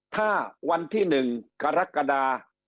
ถ้าวันที่๑กรกฎา